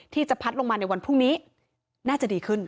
ที่จะพัดลงมาในวันพรุ่งนี้น่าจะดีขึ้น